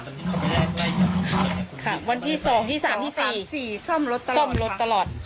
ตอนนี้เขาไปได้ค่ะวันที่สองที่สามที่สี่ซ่อมรถซ่อมรถตลอด